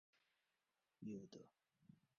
judo